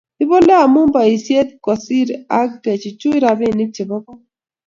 Ipole amu boisiet kosir ak kechuchuch rapinik chebo kot